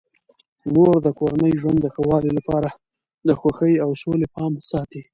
مور د کورني ژوند د ښه والي لپاره د خوښۍ او سولې پام ساتي.